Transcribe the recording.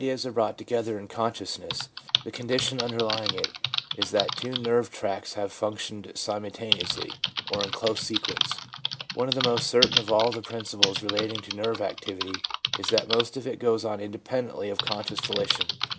108 THE PSYCHOLOGY OF RELIGION are brought together in consciousness, the condition underlying it is that two nerve tracts have functioned simultaneously, or in close sequence. One of the most certain of all the principles relating to nerve activity is that most of it goes on independently of conscious voli tion.